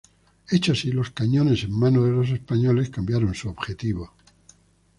Hecho así, los cañones, en manos de los españoles, cambiaron su objetivo.